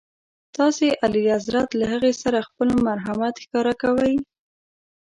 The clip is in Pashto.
تاسي اعلیحضرت له هغې سره خپل مرحمت ښکاره کوئ.